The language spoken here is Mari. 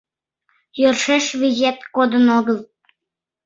— Йӧршеш виет кодын огыл.